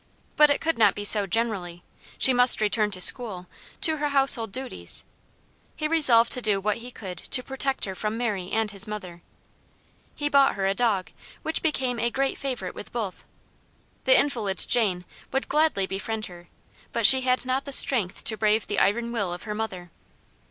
But it could not be so generally. She must return to school, to her household duties. He resolved to do what he could to protect her from Mary and his mother. He bought her a dog, which became a great favorite with both. The invalid, Jane, would gladly befriend her; but she had not the strength to brave the iron will of her mother.